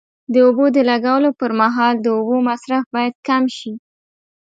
د اوبو د لګولو پر مهال د اوبو مصرف باید کم شي.